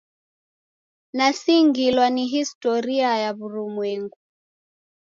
Nasingilwa ni historia ya w'urumwengu.